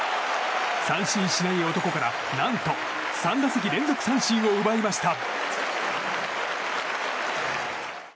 三振しない男から何と３打席連続三振を奪いました。